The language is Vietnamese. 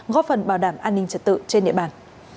góp phần bảo đảm an ninh trật tự trên địa bàn